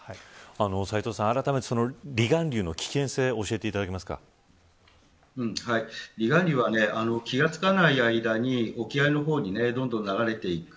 斎藤さん、あらためて離岸流の危険性を離岸流は、気が付かない間に沖合の方にどんどん流れていく。